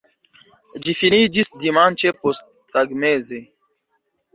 Ĝi finiĝis dimanĉe posttagmeze.